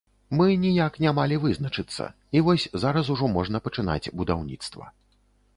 Мы ніяк не малі вызначыцца, і вось зараз ужо можна пачынаць будаўніцтва.